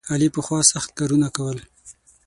علي پخوا سخت کارونه کول.